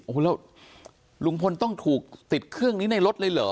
โอ้โหแล้วลุงพลต้องถูกติดเครื่องนี้ในรถเลยเหรอ